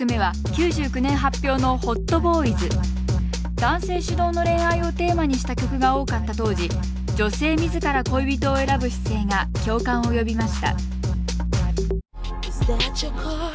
男性主導の恋愛をテーマにした曲が多かった当時女性自ら恋人を選ぶ姿勢が共感を呼びました